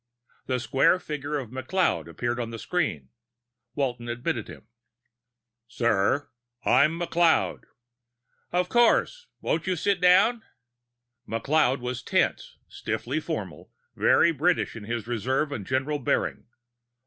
The square figure of McLeod appeared on the screen. Walton admitted him. "Sir. I'm McLeod." "Of course. Won't you sit down?" McLeod was tense, stiffly formal, very British in his reserve and general bearing.